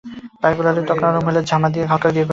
পায়ের গোড়ালির ত্বক নরম হলে ঝামা দিয়ে হালকা করে ঘষে নিন।